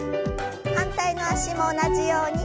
反対の脚も同じように。